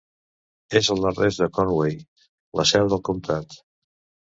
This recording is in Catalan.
És al nord-est de Conway, la seu del comtat.